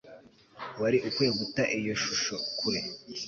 Wari ukwiye guta iyo shusho kure